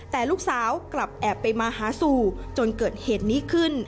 แต่ลูกสาวกลับแอบไปมาหาสู่จนเกิดเหตุนี้ขึ้น